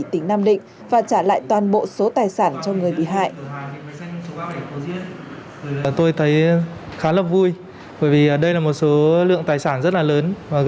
tỉnh nam định và trả lại toàn bộ số tài sản cho người bị hại